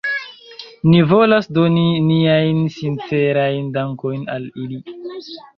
Ni volas doni niajn sincerajn dankojn al ili.